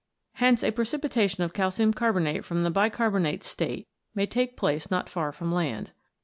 Hence a precipitation of calcium carbonate from the bi carbonate state may take place not far from land.